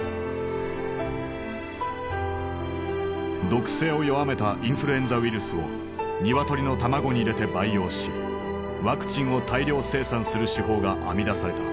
毒性を弱めたインフルエンザウイルスを鶏の卵に入れて培養しワクチンを大量生産する手法が編み出された。